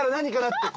って。